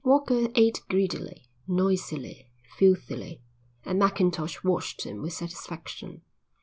Walker ate greedily, noisily, filthily, and Mackintosh watched him with satisfaction.